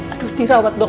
aduh dirawat dong